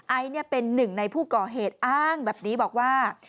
ไอซ์เป็นหนึ่งในผู้ก่อเหตุอ้างแบบนี้บอกว่า